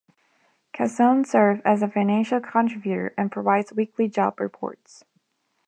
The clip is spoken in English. Casone serves as a financial contributor and provides weekly job reports.